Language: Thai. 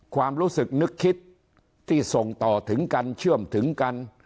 ความรู้สึกนึกคิดที่ส่งต่อถึงกันเชื่อมถึงกัน